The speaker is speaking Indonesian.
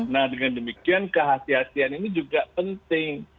nah dengan demikian kehatian kehatian ini juga penting